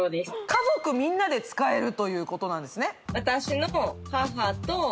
家族みんなで使えるということなんですね？